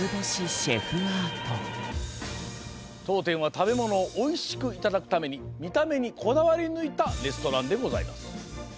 とうてんは食べものをおいしくいただくためにみためにこだわりぬいたレストランでございます。